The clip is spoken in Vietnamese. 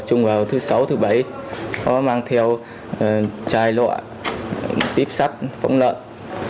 chủ mưu vừa bị công an huyện gia lộc triệu tập lên làm việc để điều tra về hành vi sử dụng xe máy